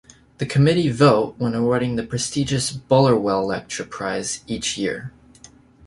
The committee vote when awarding the prestigious Bullerwell Lecture prize each year.